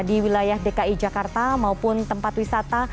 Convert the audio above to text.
di wilayah dki jakarta maupun tempat wisata